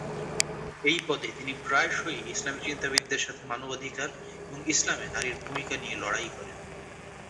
এই পদে, তিনি প্রায়শই ইসলামী চিন্তাবিদদের সাথে মানবাধিকার এবং ইসলামে নারীর ভূমিকা নিয়ে লড়াই করেন।